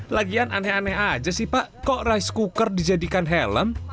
lagian aneh aneh aja sih pak kok rice cooker dijadikan helm